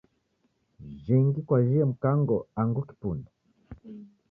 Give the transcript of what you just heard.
Jhingi kwajhie Mkango angu kipunde?.